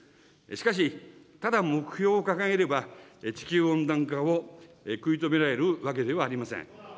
しかし、ただ目標を掲げれば、地球温暖化を食い止められるわけではありません。